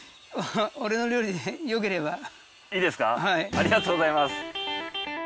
ありがとうございます。